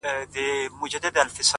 o چي تابه وكړې راته ښې خبري؛